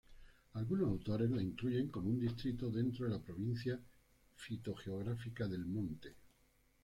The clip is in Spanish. Algunos autores la incluyen como un distrito dentro de la provincia fitogeográfica del monte.